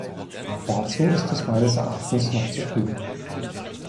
Dazu ist es meines Erachtens noch zu früh.